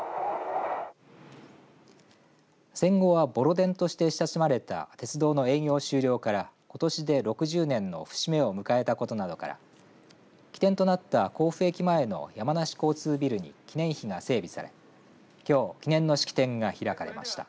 戦後は、ボロ電として親しまれた鉄道の営業終了からことしで６０年の節目を迎えたことなどから起点となった甲府駅前の山梨交通ビルに記念碑が整備されきょう記念の式典が開かれました。